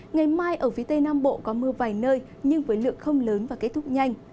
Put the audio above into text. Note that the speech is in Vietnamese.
ngày mai ở phía tây nam bộ có mưa vài nơi nhưng với lượng không lớn và kết thúc nhanh